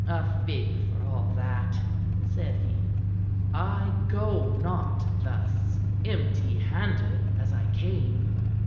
"A fig for all that!" said he. "I go not thus empty handed as I came.